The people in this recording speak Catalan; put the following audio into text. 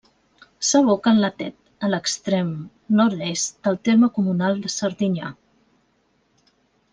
S'aboca en la Tet a l'extrem nord-est del terme comunal de Serdinyà.